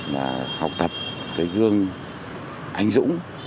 và học tập cái gương anh dũng